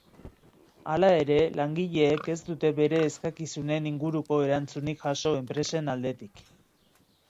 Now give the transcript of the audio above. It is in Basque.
Hala ere, langileek ez dute beren eskakizunen inguruko erantzunik jaso enpresen aldetik.